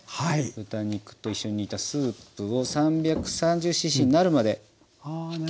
豚肉と一緒に煮たスープを３３０ｃｃになるまで計量していきます。